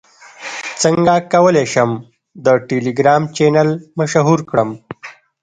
څنګه کولی شم د ټیلیګرام چینل مشهور کړم